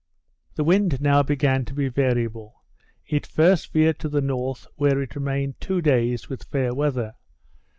The wind now began to be variable. It first veered to the north, where it remained two days with fair weather.